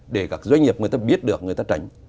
để các doanh nghiệp người ta biết được người ta tránh